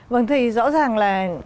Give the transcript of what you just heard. vâng thì rõ ràng là